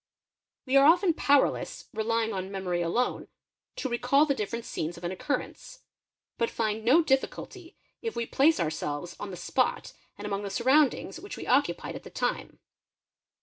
We are often powerless, relying on memory alone, to recall the different — scenes of an occurrence; but find no difficulty if we place ourselves on — the spot and among the surroundings which we occupied at the time.